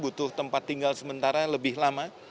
butuh tempat tinggal sementara lebih lama